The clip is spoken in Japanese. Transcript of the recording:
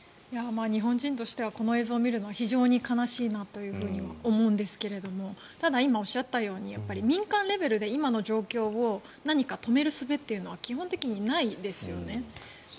日本人としてはこの映像を見るのは非常に悲しいなと思うんですがただ、今おっしゃったように民間レベルで今の状況を何か止めるすべっていうのは基本的にないですよね。